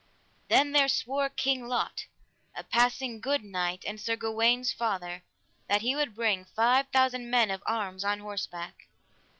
Then there swore King Lot, a passing good knight, and Sir Gawain's father, that he would bring five thousand men of arms on horseback.